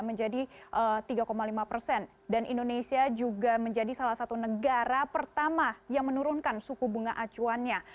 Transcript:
menjadi tiga lima persen dan indonesia juga menjadi salah satu negara pertama yang menurunkan suku bunga acuannya